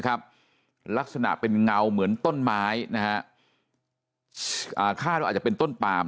ครับลักษณะเป็นเงาเหมือนต้นไม้นะฆ่าเราอาจจะเป็นต้นปาล์ม